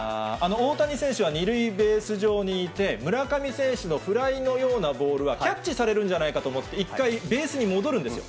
大谷選手は２塁ベース上にいて、村上選手のフライのようなボールは、キャッチされるんじゃないかと思って、一回、ベースに戻るんですよ。